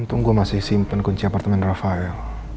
untung gue masih simpan kunci apartemen rafael